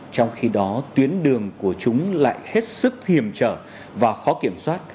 trong khi đó tuyến đường của chúng lại hết sức hiểm trở và khó kiểm soát